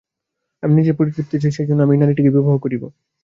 আমি নিজের পরিতৃপ্তি চাই, সেইজন্য আমি এই নারীটিকে বিবাহ করিব।